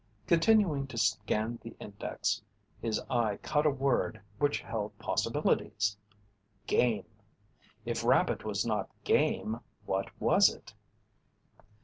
Continuing to scan the index, his eye caught a word which held possibilities. Game! If rabbit was not game, what was it?